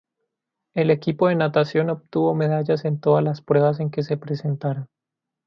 El equipo de natación obtuvo medallas en todas las pruebas en que se presentaron.